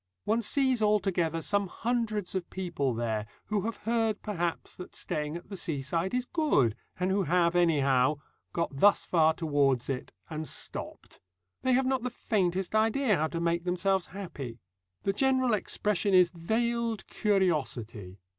One sees altogether some hundreds of people there who have heard perhaps that staying at the seaside is good, and who have, anyhow, got thus far towards it, and stopped. They have not the faintest idea how to make themselves happy. The general expression is veiled curiosity.